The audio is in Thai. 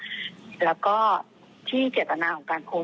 เจ้าหน้าที่บอกว่าทางวัดเนี่ยก็จริงไม่มีส่วนเกี่ยวข้องกับเหตุการณ์ดังกล่าวนะ